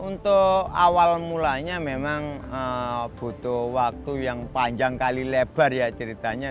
untuk awal mulanya memang butuh waktu yang panjang kali lebar ya ceritanya